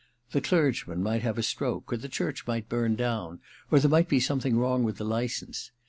The clergyman might have a stroke, or the church might burn down, or there might be something wrong with the license.